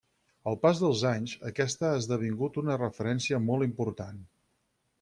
Al pas dels anys, aquesta ha esdevingut una referència molt important.